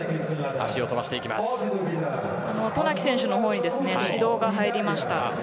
渡名喜選手の方に指導が入りました。